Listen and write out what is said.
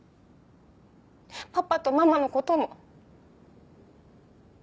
パパとママの事も。